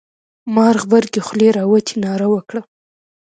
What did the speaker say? مار غبرگې خولې را وتې ناره وکړه.